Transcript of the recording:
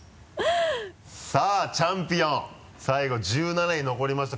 さぁチャンピオン最後１７位残りました。